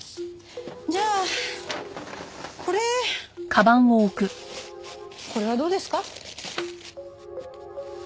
じゃあこれこれはどうですか？